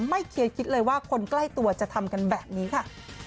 เคลียร์คิดเลยว่าคนใกล้ตัวจะทำกันแบบนี้ค่ะ